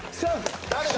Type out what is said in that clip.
誰だ？